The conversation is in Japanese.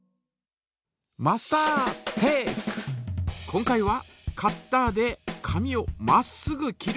今回はカッターで紙をまっすぐ切る。